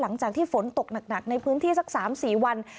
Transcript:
หลังจากที่ฝนตกหนักในพื้นที่สัก๓๔วัน